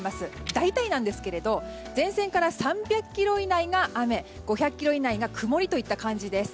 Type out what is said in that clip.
大体なんですけれど前線から３００ｋｍ以内が雨５００ｋｍ以内が曇りといった感じです。